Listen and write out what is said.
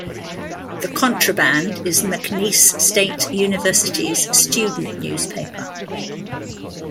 "The Contraband" is McNeese State University's student newspaper.